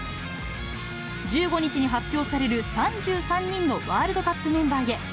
１５日に発表される３３人のワールドカップメンバーへ。